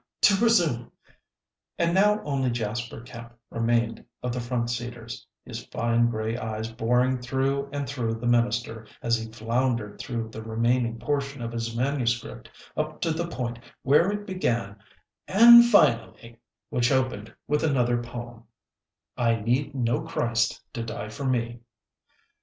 To resume " And now only Jasper Kemp remained of the front seaters, his fine gray eyes boring through and through the minister as he floundered through the remaining portion of his manuscript up to the point where it began, "And finally " which opened with another poem: "'I need no Christ to die for me.'"